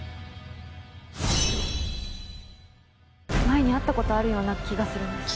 前に会った事あるような気がするんです。